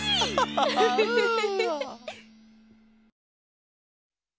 フフフフフ。